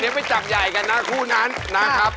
เดี๋ยวไปจับใหญ่กันนะคู่นั้นนะครับ